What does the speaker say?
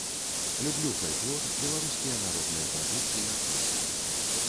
Люблю фальклор, беларускія народныя традыцыі, песні.